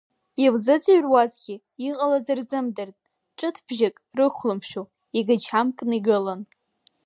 Илзыӡырҩуазгьы иҟалаз рзымдырызт ҷытбжьык рыхәлымшәо, игачамкны игылан.